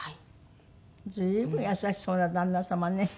随分優しそうな旦那様ね。